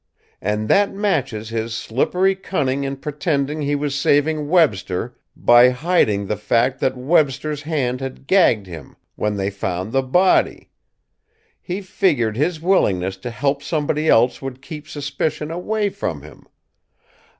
And that matches his slippery cunning in pretending he was saving Webster by hiding the fact that Webster's hand had gagged him when they found the body. He figured his willingness to help somebody else would keep suspicion away from him.